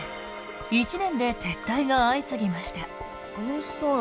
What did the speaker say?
１年で撤退が相次ぎました。